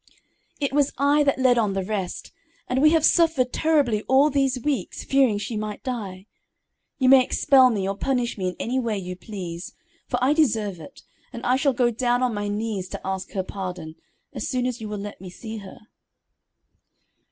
"It was I that led on the rest, and we have suffered terribly all these weeks, fearing she might die. You may expel me, or punish me in any way you please; for I deserve it; and I shall go down on my knees to ask her pardon, as soon as you will let me see her."